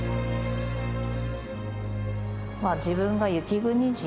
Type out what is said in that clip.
まあ自分が雪国人。